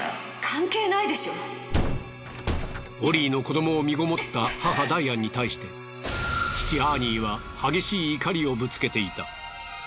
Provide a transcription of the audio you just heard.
オリーの子供を身ごもった母ダイアンに対して父アーニーは激しい怒りをぶつけていた。